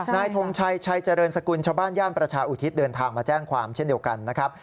นายทงชัย๓๖ชาวบ้านย่านประชาอุทิษฐ์เดินทางมาแจ้งความเช่นเดียวกันนะครับ